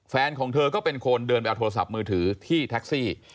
แฟนของเธอก็เป็นคนเดินไปเอาโทรศัพท์มือถือที่แท็กซี่